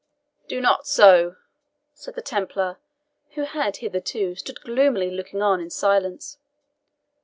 "Do not so," said the Templar, who had hitherto stood gloomily looking on in silence.